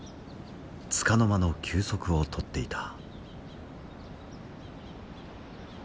つかの間の休息を取っていた。